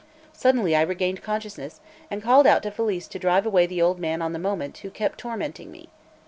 Suddenly I regained consciousness, and called out to Felice to drive away the old man on the moment, who kept tormenting me.